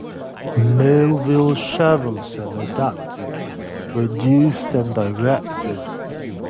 Melville Shavelson adapted, produced and directed.